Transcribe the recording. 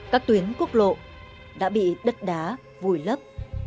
các tuyến quốc lộ đã bị đất đá vùi lấp